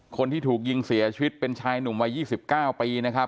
คนที่ถูกยิงเสียชีวิตเป็นชายหนุ่มวัย๒๙ปีนะครับ